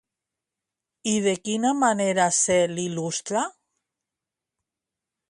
I de quina manera se l'il·lustra?